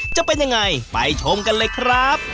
จะเป็นยังไงไปชมกันเลยครับ